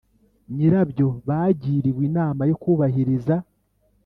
nyirabyo bagiriwe inama yo kubahiriza